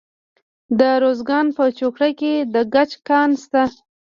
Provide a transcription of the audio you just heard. د ارزګان په چوره کې د ګچ کان شته.